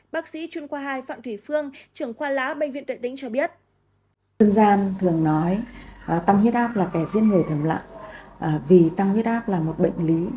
bác sĩ chuyên khoa hai phạm thủy phương trưởng khoa lá bệnh viện tuyện tính cho biết